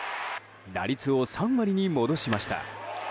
打率を３割に戻しました。